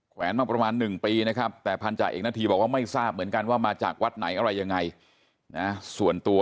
แวนมาประมาณ๑ปีนะครับแต่พันธาเอกนาธีบอกว่าไม่ทราบเหมือนกันว่ามาจากวัดไหนอะไรยังไงนะส่วนตัว